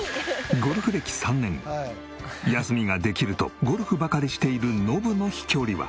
ゴルフ歴３年休みができるとゴルフばかりしているノブの飛距離は。